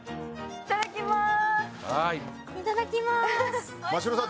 いただきます。